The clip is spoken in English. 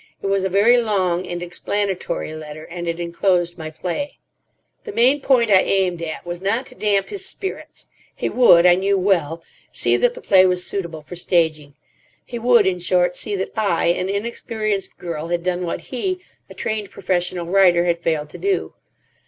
It was a very long and explanatory letter, and it enclosed my play. The main point I aimed at was not to damp his spirits. He would, I knew well, see that the play was suitable for staging. He would, in short, see that I, an inexperienced girl, had done what he, a trained professional writer, had failed to do.